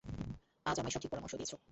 আজ আমায় সঠিক পরামর্শ দিয়েছো।